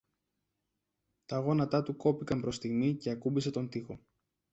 Τα γόνατά του κόπηκαν προς στιγμή και ακούμπησε τον τοίχο.